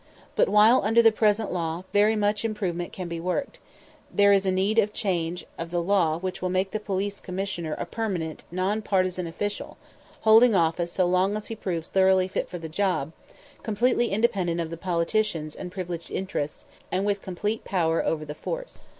But while under the present law very much improvement can be worked, there is need of change of the law which will make the Police Commissioner a permanent, non partisan official, holding office so long as he proves thoroughly fit for the job, completely independent of the politicians and privileged interests, and with complete power over the force.